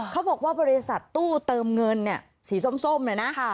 เขาบอกว่าบริษัทตู้เติมเงินเนี่ยสีส้มเนี่ยนะ